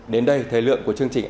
đến đây thời lượng của chương trình